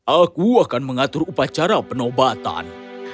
aku akan mengatur upacara penobatan